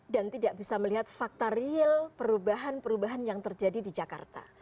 dan tidak bisa melihat fakta real perubahan perubahan yang terjadi di jakarta